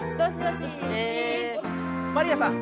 マリアさん